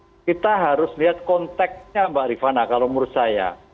jadi kalau kita lihat konteksnya mbak rifana kalau menurut saya